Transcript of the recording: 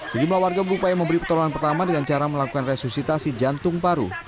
sejumlah warga berupaya memberi pertolongan pertama dengan cara melakukan resusitasi jantung paru